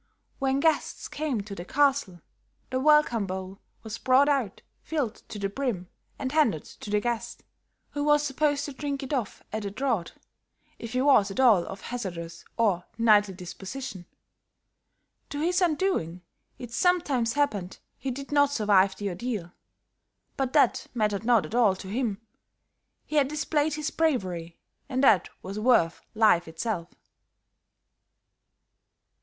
When guests came to the castle, the welcome bowl was brought out, filled to the brim and handed to the guest, who was supposed to drink it off at a draught, if he was at all of a hazardous or knightly disposition. To his undoing, it sometimes happened he did not survive the ordeal; but that mattered not at all to him; he had displayed his bravery and that was worth life itself.